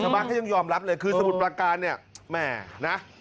ชาวบ้านก็ยังยอมรับเลยคือสมุทรพลาการเนี่ยแหมะนะ